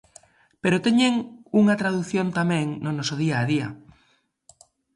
Pero teñen unha tradución tamén no noso día a día.